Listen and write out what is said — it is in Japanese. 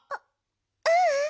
うううん。